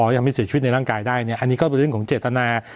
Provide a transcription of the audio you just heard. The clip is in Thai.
ยังไม่เสียชีวิตในร่างกายได้เนี่ยอันนี้ก็เป็นเรื่องของเจตนา